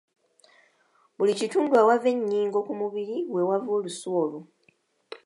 Buli kitundu awali ennyingo ku mubiri weewava olusu olwo.